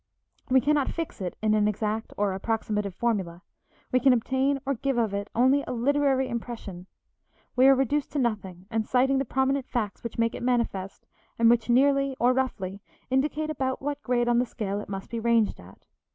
We cannot fix it in an exact or approximative formula; we can obtain or give of it only a literary impression; we are reduced to nothing and citing the prominent facts which make it manifest and which nearly, or roughly, indicate about what grade on the scale it must be ranged at.